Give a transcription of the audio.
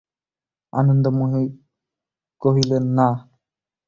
আনন্দময়ী কহিলেন, না।